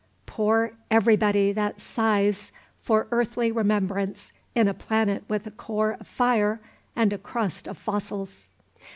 Poor everybody that sighs for earthly remembrance in a planet with a core of fire and a crust of fossils!